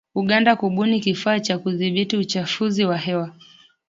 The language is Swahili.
Uganda kubuni kifaa cha kudhibiti uchafuzi wa hewa.